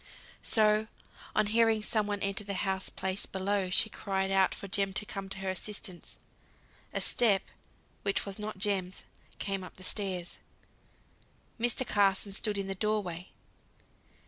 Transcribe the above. So, on hearing some one enter the house place below, she cried out for Jem to come to her assistance. A step, which was not Jem's, came up the stairs. Mr. Carson stood in the door way.